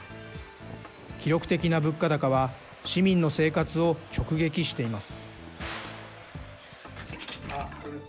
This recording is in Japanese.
記録的な物価高は市民の生活を直撃しています。